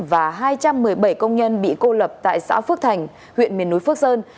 và hai trăm một mươi bảy công nhân bị cô lập tại xã phước thành huyện miền núi phước sơn